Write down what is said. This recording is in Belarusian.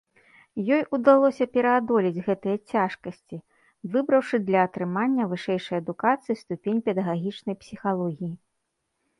Ёй удалося пераадолець гэтыя цяжкасці, выбраўшы для атрымання вышэйшай адукацыі ступень педагагічнай псіхалогіі.